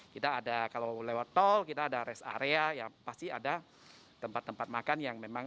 kita ada kalau lewat tol kita ada rest area ya pasti ada tempat tempat makan yang memang